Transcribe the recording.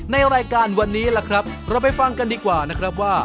ในรายการวันนี้ล่ะครับเราไปฟังกันดีกว่านะครับว่า